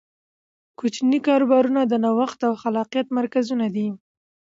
کوچني کاروبارونه د نوښت او خلاقیت مرکزونه دي.